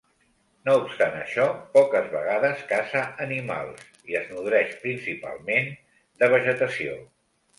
No obstant això, poques vegades caça animals i es nodreix principalment de vegetació.